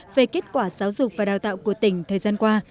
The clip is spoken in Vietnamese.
về kết quả giáo dục và đào tạo của tỉnh thời gian qua